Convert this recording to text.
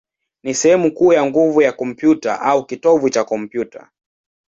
ni sehemu kuu ya nguvu ya kompyuta, au kitovu cha kompyuta.